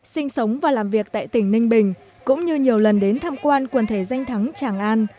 sinh sống và làm việc tại tỉnh ninh bình cũng như nhiều lần đến tham quan quần thể danh thắng tràng an